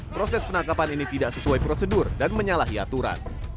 proses penangkapan ini tidak sesuai prosedur dan menyalahi aturan